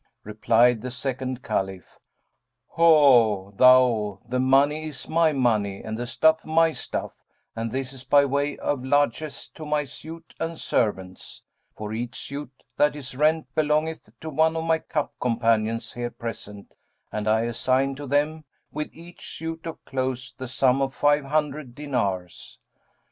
'" Replied the second Caliph, "Ho thou, the money is my money and the stuff my stuff, and this is by way of largesse to my suite and servants; for each suit that is rent belongeth to one of my cup companions here present, and I assign to them with each suit of clothes the sum of five hundred dinars."